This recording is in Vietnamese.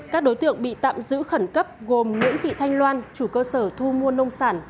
các đối tượng bị tạm giữ khẩn cấp gồm nguyễn thị thanh loan chủ cơ sở thu mua nông sản